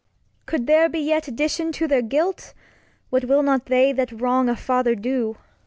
Cord. Cou'd there be yet Addition to their Guilt ? What will not they that wrong a Father do